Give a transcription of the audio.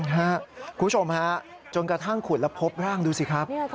คุณผู้ชมฮะจนกระทั่งขุดแล้วพบร่างดูสิครับ